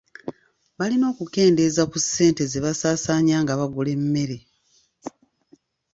Balina okukendeeza ku ssente ze basaasaanya nga bagula emmere.